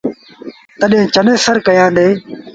تڏهيݩ چنيسر ڪيآندي ۔